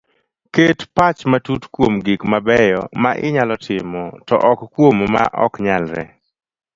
Ket pach matut kuom gik mabeyo ma inyalo timo to ok kuom ma oknyalre